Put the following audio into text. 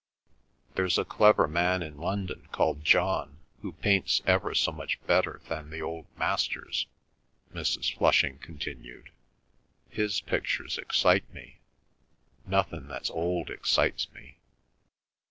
"There's a clever man in London called John who paints ever so much better than the old masters," Mrs. Flushing continued. "His pictures excite me—nothin' that's old excites me."